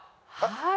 はい。